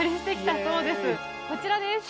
こちらです。